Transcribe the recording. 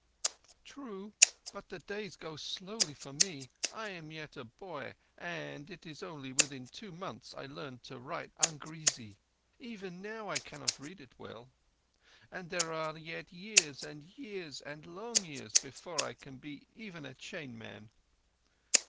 "True. But the days go slowly for me. I am yet a boy, and it is only within two months I learned to write Angrezi. Even now I cannot read it well. And there are yet years and years and long years before I can be even a chain man."